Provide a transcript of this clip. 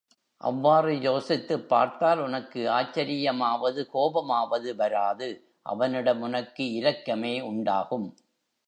அவ்வாறு யோசித்துப் பார்த்தால், உனக்கு ஆச்சரியமாவது கோபமாவது வராது அவனிடம் உனக்கு இரக்கமே உண்டாகும்.